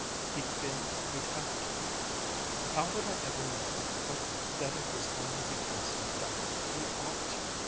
He'd feel he'd have to. How would I ever know but that it was only because he thought he ought to?